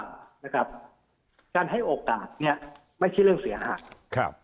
อยู่หรือเปล่านะครับการให้โอกาสเนี่ยไม่ใช่เรื่องเสียหาดครับ